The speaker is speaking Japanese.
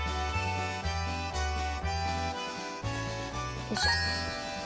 よいしょ。